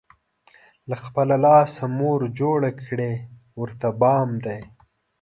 له خپل لاسه، مور جوړ کړی ورته بام دی